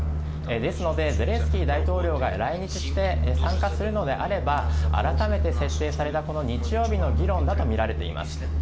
ですのでゼレンスキー大統領が来日して参加するのであれば改めて設定された日曜日の議論だとみられています。